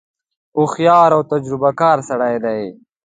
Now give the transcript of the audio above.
هوښیار او تجربه کار سړی دی.